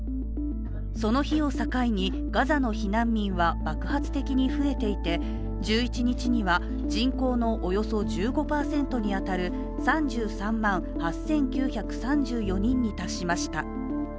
その日を境にガザの避難民は爆発的に増えていて、１１日には、人口のおよそ１５％に当たる３３万８９３４人に達しました。